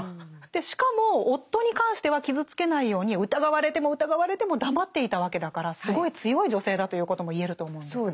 しかも夫に関しては傷つけないように疑われても疑われても黙っていたわけだからすごい強い女性だということも言えると思うんですが。